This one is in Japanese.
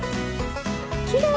きれい！